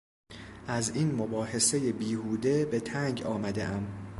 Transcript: از این مباحثهٔ بیهوده به تنگ آمده ام.